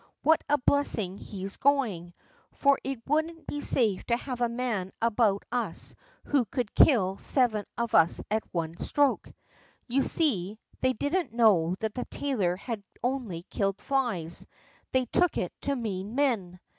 "What a blessing he's going; for it wouldn't be safe to have a man about us who could kill seven of us at one stroke." You see, they didn't know that the tailor had only killed flies; they took it to mean men.